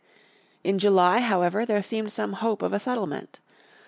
In July, however, there seemed some hope of a settlement.